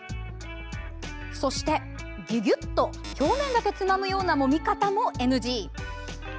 そして、ギュギュッと表面だけつまむようなもみ方もＮＧ。